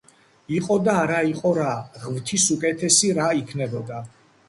იყო და არა იყო რა, ღვთის უკეთესი რა იქნებოდა